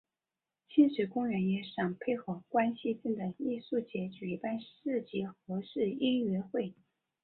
亲水公园也常配合关西镇的艺术节举办市集或是音乐会。